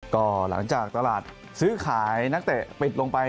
ก็หลังจากตลาดซื้อขายนักเตะปิดลงไป